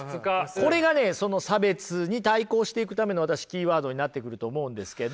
これがねその差別に対抗していくためのキーワードになってくると思うんですけど。